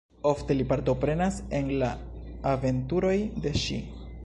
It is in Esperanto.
Ofte li partoprenas en la aventuroj de ŝi.